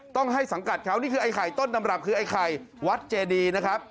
ต้องให้สังกัดเขานี่คือไอ้ไข่ต้นตำรับคือไอ้ไข่วัดเจดีนะครับ